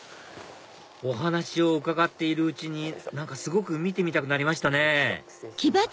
お話を伺っているうちにすごく見てみたくなりましたね